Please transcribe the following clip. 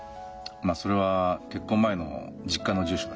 まあそれは結婚前の実家の住所だ。